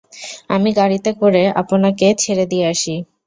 আমি গাড়িতে করে আপনাকে ছেড়ে দিয়ে আাসি।